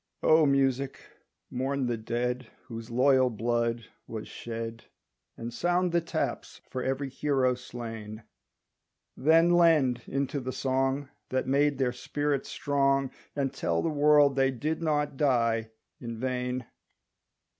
O Music mourn the dead Whose loyal blood was shed, And sound the taps for every hero slain; Then lend into the song That made their spirit strong, And tell the world they did not die in vain.